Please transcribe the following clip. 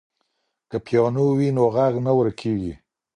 که پیانو وي نو غږ نه ورکېږي.